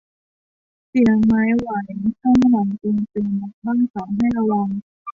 เสียงไม้ไหวข้างหลังตัวเตือนนักล่าสาวให้ระวัง